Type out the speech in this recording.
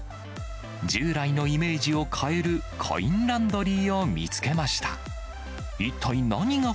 従来のイメージを変えるコインランドリーを見つけました。